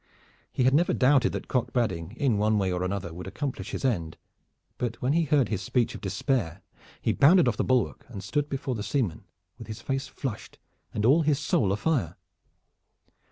He had never doubted that Cock Badding in one way or another would accomplish his end, but when he heard his speech of despair he bounded off the bulwark and stood before the seaman with his face flushed and all his soul afire.